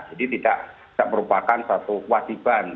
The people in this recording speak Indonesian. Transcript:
jadi tidak merupakan suatu wajiban